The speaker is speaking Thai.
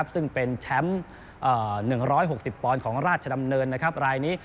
ซึ่งเป็นแชมป์๑๖๐ปของราชดำเนิน